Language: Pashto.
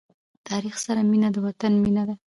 تاریخ سره مینه د وطن مینه ده.